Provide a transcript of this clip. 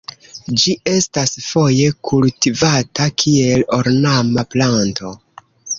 Ĝi estas foje kultivata kiel ornama planto.